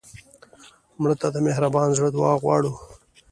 مړه ته د مهربان زړه دعا غواړو